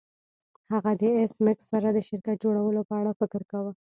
هغه د ایس میکس سره د شرکت جوړولو په اړه فکر کاوه